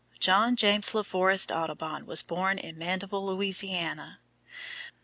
John James La Forest Audubon was born at Mandeville, Louisiana.